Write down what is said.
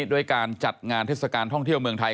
ด้วยการจัดงานเทศกาลท่องเที่ยวเมืองไทย